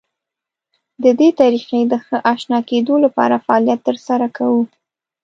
د دې طریقې د ښه اشنا کېدو لپاره فعالیت تر سره کوو.